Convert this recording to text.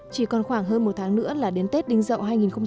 chỉ còn khoảng hơn một tháng nữa là đến tết đính rậu hai nghìn một mươi bảy